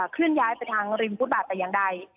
เคลื่อนย้ายไปทางริมฟุตบาทแต่อย่างใด